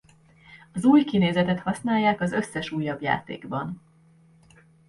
Az új kinézetet használják az összes újabb játékban.